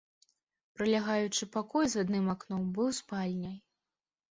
Прылягаючы пакой з адным акном быў спальняй.